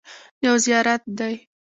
یو زیارت دی.